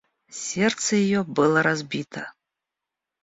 Сердце ее было разбито.